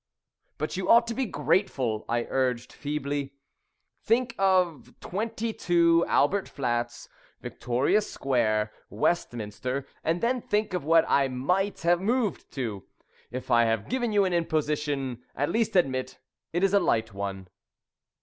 "But you ought to be grateful," I urged feebly. "Think of 22, Albert Flats, Victoria Square, Westminster, and then think of what I might have moved to. If I have given you an imposition, at least admit it is a light one."